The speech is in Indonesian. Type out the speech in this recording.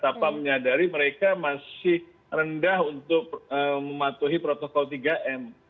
tanpa menyadari mereka masih rendah untuk mematuhi protokol tiga m